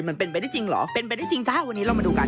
มันเป็นไปได้จริงเหรอเป็นไปได้จริงจ้าวันนี้เรามาดูกัน